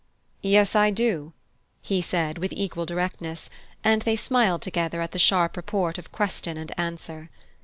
"Yes, I do," he said with equal directness; and they smiled together at the sharp report of question and answer.